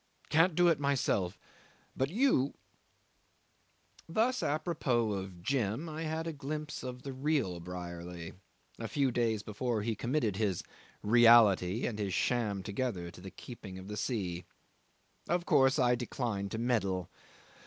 I can't do it myself but you ..." 'Thus, apropos of Jim, I had a glimpse of the real Brierly a few days before he committed his reality and his sham together to the keeping of the sea. Of course I declined to meddle.